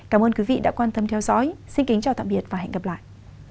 cảm ơn quý vị đã quan tâm theo dõi xin kính chào tạm biệt và hẹn gặp lại